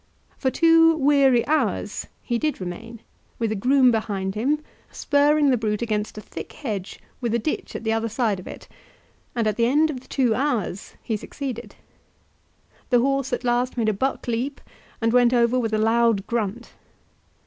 For two weary hours he did remain, with a groom behind him, spurring the brute against a thick hedge, with a ditch at the other side of it, and at the end of the two hours he succeeded. The horse at last made a buck leap and went over with a loud grunt.